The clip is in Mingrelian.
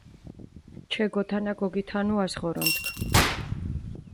ჩე გოთანა გოგითანუას ღორონთქ.